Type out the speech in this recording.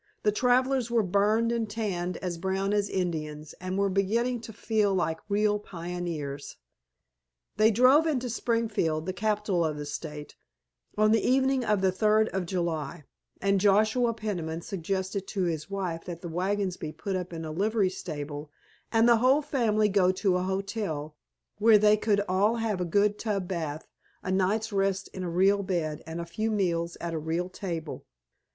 The travelers were burned and tanned as brown as Indians, and were beginning to feel like real pioneers. They drove into Springfield, the capital of the State, on the evening of the third of July, and Joshua Peniman suggested to his wife that the wagons be put up in a livery stable and the whole family go to a hotel, where they could all have a good tub bath, a night's rest in a real bed, and a few meals at a real table.